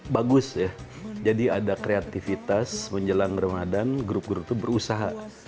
bagus ya jadi ada kreativitas menjelang ramadan grup grup itu berusaha